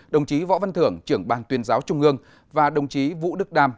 đồng chí võ văn thưởng trưởng ban tuyên giáo trung ương và đồng chí vũ đức đam